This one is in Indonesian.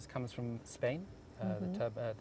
datang dari spanyol